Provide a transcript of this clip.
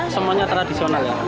semuanya tradisional ya